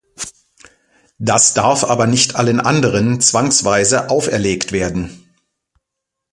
Das darf aber nicht allen anderen zwangsweise auferlegt werden.